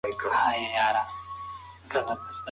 نوموړي د اسلامي زده کړو په برخه کې هم هڅې کړې دي.